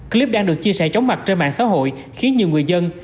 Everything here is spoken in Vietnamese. clip đang được chia sẻ chóng mặt trên mạng xã hội khiến nhiều người dân